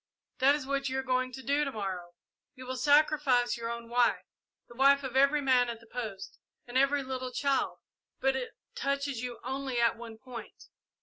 "That is what you are going to do to morrow. You will sacrifice your own wife, the wife of every man at the post, and every little child, but it touches you only at one point.